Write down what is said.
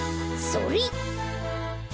それ！